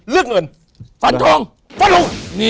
เลือกเงินฝันทองสรุง